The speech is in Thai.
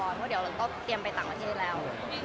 เพราะเดี๋ยวเราต้องเตรียมไปต่างประเทศแล้ว